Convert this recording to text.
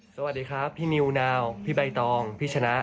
สวัสดีครับพี่นิวนาวพี่ใบตองพี่ชนะ